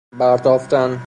برتافتن